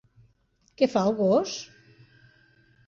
Què fa el gos?